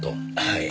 はい。